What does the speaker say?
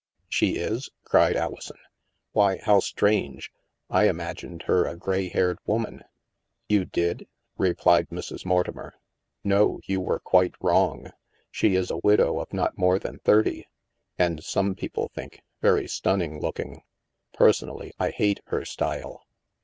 " She is ?" cried Alison. " Why, how strange ! I imagined her a gray haired woman." " You did ?" replied Mrs. Mortimer. " No, you were quite wrong. She is a widow of not more than thirty and, some people think, very stunning looking. Personally, I hate her style."